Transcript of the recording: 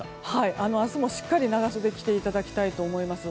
明日もしっかり長袖を着ていただきたいと思います。